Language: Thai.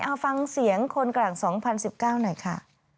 เอาฟังเสียงคนกลาง๒๐๑๙หน่อยค่ะ